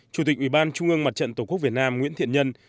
chủ tịch ủy ban trung ương mặt trận tổ quốc việt nam nguyễn thiện nhân